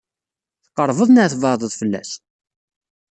Tqeṛbeḍ neɣ tbeɛdeḍ fell-as?